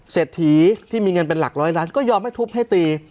เศรษฐีที่มีเงินเป็นหลักร้อยล้านก็ยอมให้ทุบให้ตี